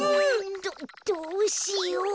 どどうしよう。